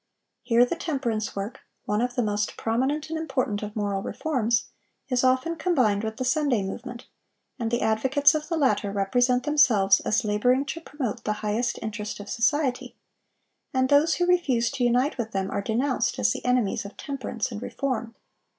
Here the temperance work, one of the most prominent and important of moral reforms, is often combined with the Sunday movement, and the advocates of the latter represent themselves as laboring to promote the highest interest of society; and those who refuse to unite with them are denounced as the enemies of temperance and reform.